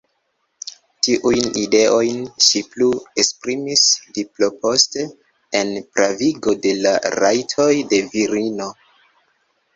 Tiujn ideojn ŝi plu esprimis pliposte en "Pravigo de la Rajtoj de Virino".